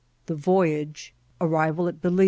— The Voyage.— ArriTal al Baliie.